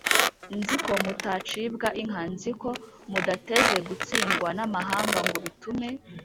.Nzi ko mutazacibwa inka: nzi ko mudateze gutsindwa n’amahanga ngo bitume